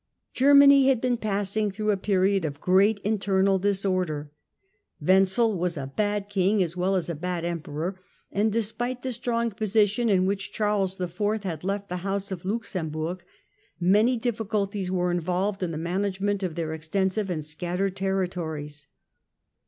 Germany had been passing through a period of great Germany internal disorder. Wenzel was a bad King as well as a bad Emperor, and despite the strong x^osition in which Charles IV. had left the house of Luxemburg, many difficulties were involved in the management of their extensive and scattered territories.